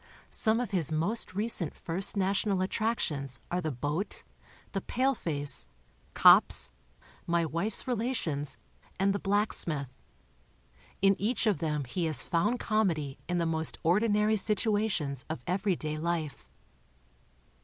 Some of his most recent First National attractions are The Boat , The Paleface , Cops, My Wife's Relations , and The Blacksmith. In each of them he has found com edy in the most ordinary situations of everyday life.